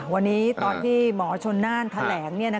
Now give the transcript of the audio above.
วันนี้ตอนที่หมอชนน่านแถลง